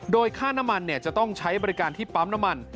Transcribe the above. โดยค่าน้ำมันจะต้องใช้บริการที่ปั๊มน้ำมัน